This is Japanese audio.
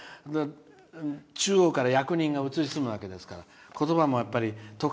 中央から役人が移り住むわけですからね。